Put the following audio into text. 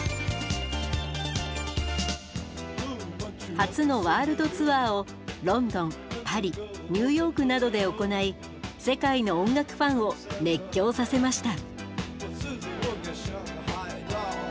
初のワールドツアーをロンドンパリニューヨークなどで行い世界の音楽ファンを熱狂させました。